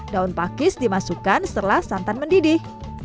daun pakis dimasukkan setelah santan mendidih